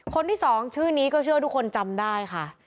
คนที่สองชื่อนี้ก็เชื่อทุกคนจำได้ค่ะ